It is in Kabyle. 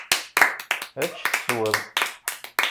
Ečč tesweḍ.